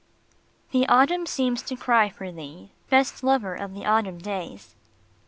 HE autumn seems to cry for thee, Best lover of the autumn days !